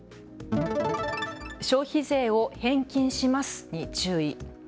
消費税を返金しますに注意。